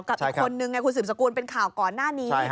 กับอีกคนนึงไงคุณสืบสกุลเป็นข่าวก่อนหน้านี้